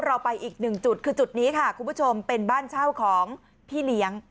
เราไปอีกหนึ่งจุดคือจุดนี้ค่ะคุณผู้ชมเป็นบ้านเช่าของพี่เลี้ยง